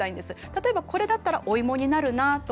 例えばこれだったらお芋になるなとか